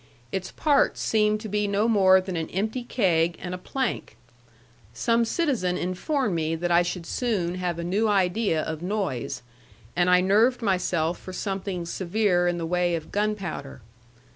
Its parts seemed to be no more than an empty keg and a plank. Some citizen informed me that I should soon have a new idea of noise; and I nerved myself for something severe in the way of gunpowder.